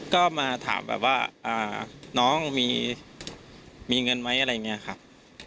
ก็มาถามแบบว่าน้องมีเงินไหมไรเนี่ยครับ